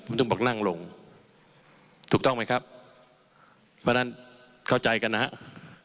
ผมถึงบอกนั่งลงถูกต้องไหมครับเพราะฉะนั้นเข้าใจกันนะครับ